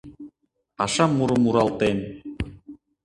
Паша мурым муралтен.